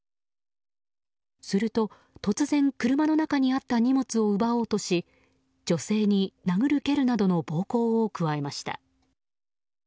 すると突然、車の中にあった荷物を奪おうとし女性に殴る蹴るなどの暴行を加えました。